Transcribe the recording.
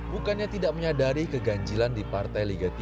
bukannya tidak menyadari keganjilan di partai liga tiga